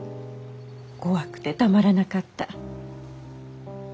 怖くてたまらなかった。